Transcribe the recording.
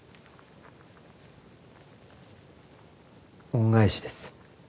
恩返しです。